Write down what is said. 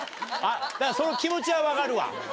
だからその気持ちは分かるわ。